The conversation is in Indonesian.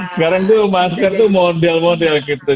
sekarang tuh masker tuh model model gitu